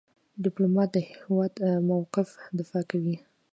ډيپلومات د هیواد موقف دفاع کوي.